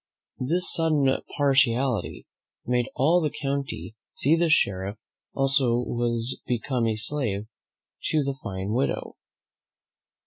This sudden partiality made all the county see the sheriff also was become a slave to the fine widow.